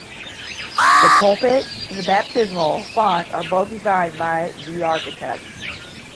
The pulpit and the baptismal font are both designed by the architect.